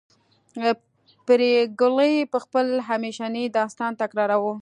پريګلې به خپل همیشنی داستان تکراروه